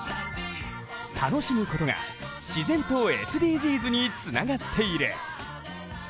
楽しむことが自然とＳＤＧｓにつながっている。